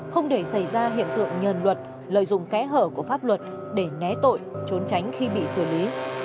không để xảy ra hiện tượng nhờn luật lợi dụng kẽ hở của pháp luật để né tội trốn tránh khi bị xử lý